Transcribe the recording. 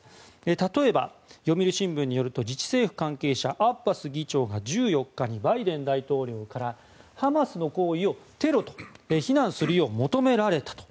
例えば、読売新聞によると自治政府関係者アッバス議長が１４日にバイデン大統領からハマスの行為をテロと非難するよう求められたと。